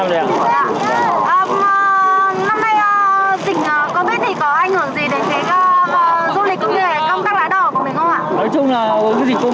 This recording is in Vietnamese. ờm năm nay dịch covid thì có ảnh hưởng gì đến cái du lịch công nghệ công tác lá đỏ của mình không ạ